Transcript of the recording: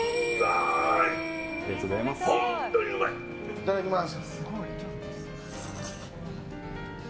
いただきます。